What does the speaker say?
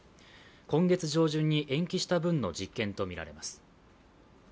今月上旬に延期した分の実験とみられます。